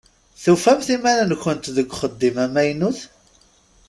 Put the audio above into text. Tufamt iman-nkent deg uxeddim amaynut?